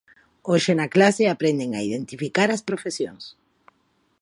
Hoxe na clase aprenden a identificar as profesións.